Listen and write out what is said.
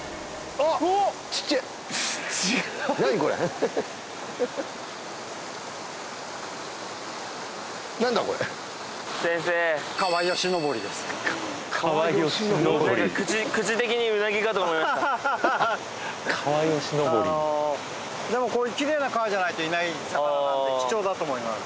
あのでもこういう綺麗な川じゃないといない魚なんでああ貴重だと思います